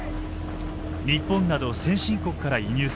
日本など先進国から輸入され